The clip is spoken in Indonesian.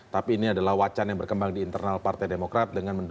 tapi ini adalah wacana yang berkembang di internal partai demokrat